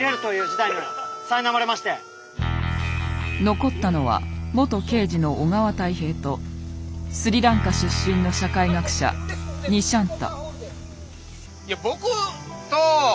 残ったのは元刑事の小川泰平とスリランカ出身の社会学者にしゃんた。